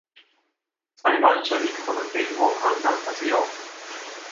裁判所にこの件を判断させよう。